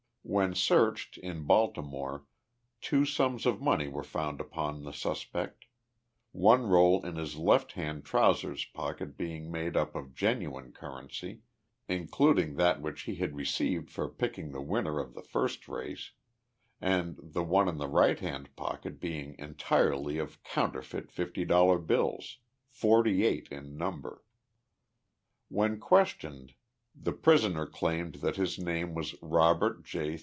When searched, in Baltimore, two sums of money were found upon the suspect one roll in his left hand trousers pocket being made up of genuine currency, including that which he had received for picking the winner of the first race, and the one in the right hand pocket being entirely of counterfeit fifty dollar bills forty eight in number. When questioned, the prisoner claimed that his name was Robert J.